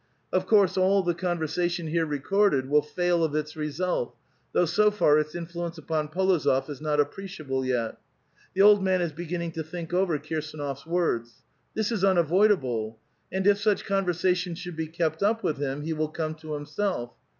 Of course all the conversation here recorded will fail of its result, though so far its influ ence upon P6lozof is not appreciable yet. The old man is betjinnino: to think over Kirsdnof's words. This is unavoid able, and if such conversation should be kept up with him, he will come to himself.